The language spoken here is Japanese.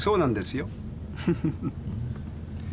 フフフフ。